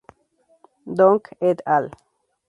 Dong "et al".